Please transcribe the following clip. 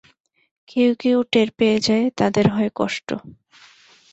কেউ কেউ টের পেয়ে যায়, তাদের হয় কষ্ট।